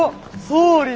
総理。